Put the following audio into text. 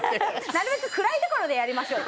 なるべく暗い所でやりましょう。